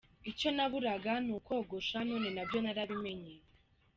Icyo naburaga ni ukogosha none nabyo narabimenye.